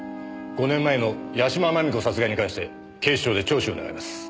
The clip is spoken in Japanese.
５年前の屋島真美子殺害に関して警視庁で聴取を願います。